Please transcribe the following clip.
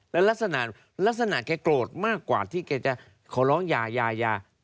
และลักษณะลักษณะแกโกรธมากกว่าที่แกจะขอร้องยายา